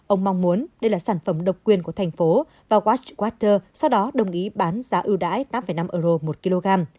ông mong muốn đây là sản phẩm độc quyền của thành phố và watch watter sau đó đồng ý bán giá ưu đãi tám năm euro một kg